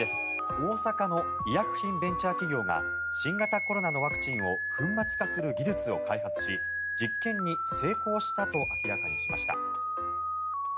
大阪の医薬品ベンチャー企業が新型コロナウイルスのワクチンを粉末化する技術を開発し実験に成功したと明らかにしました。